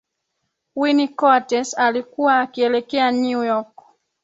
winnie coates alikuwa akielekea new york